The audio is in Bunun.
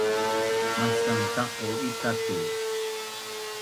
Maszang taqu ita tu